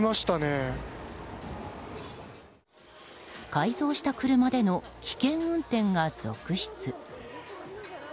改造した車での危険運転が続出。